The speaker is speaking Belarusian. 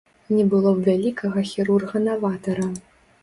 Не было б вялікага хірурга-наватара!